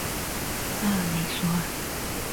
拉尔雷索尔。